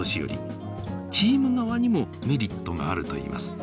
チーム側にもメリットがあるといいます。